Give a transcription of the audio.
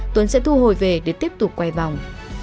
tuấn sẽ thu hồi về để tiếp tục quay vòng